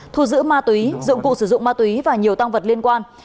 thu giữ ma túy dụng cụ sử dụng ma túy và nhiều tăng vật liên quan